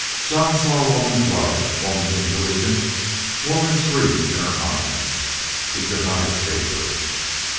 Jean saw woman's love, woman's intuition, woman's grief in her eyes. He could not escape her.